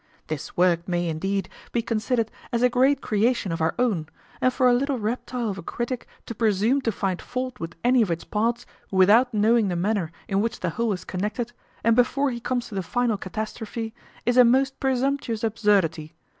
This work may, indeed, be considered as a great creation of our own; and for a little reptile of a critic to presume to find fault with any of its parts, without knowing the manner in which the whole is connected, and before he comes to the final catastrophe, is a most presumptuous absurdity.